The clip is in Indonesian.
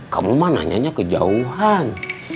kamu mah nanyanya kejauhan